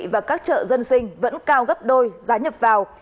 và các chợ dân sinh vẫn cao gấp đôi giá nhập vào